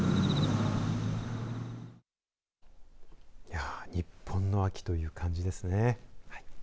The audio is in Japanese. いやあ日本の秋という感じですね。